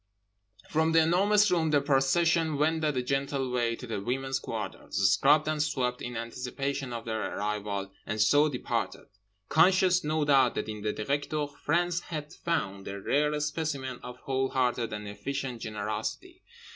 From The Enormous Room the procession wended a gentle way to the women's quarters (scrubbed and swept in anticipation of their arrival) and so departed; conscious—no doubt—that in the Directeur France had found a rare specimen of whole hearted and efficient generosity.